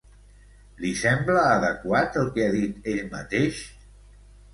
Li sembla adequat el que ha dit ell mateix?